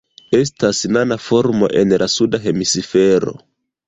Estas nana formo en la Suda Hemisfero.